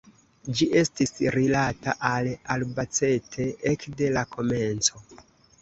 Ĝi estis rilata al Albacete ekde la komenco.